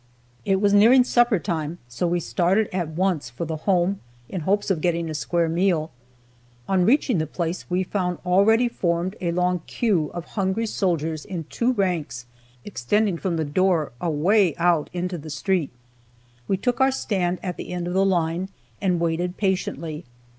It was nearing supper time, so we started at once for the Home, in hopes of getting a square meal. On reaching the place we found already formed a long "queue" of hungry soldiers, in two ranks, extending from the door away out into the street. We took our stand at the end of the line, and waited patiently.